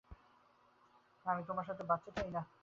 না, আমি তোমার সাথে বাচ্চা চাই না।